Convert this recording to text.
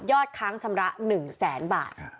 ยอดค้างชำระ๑๐๐๐๐๐บาท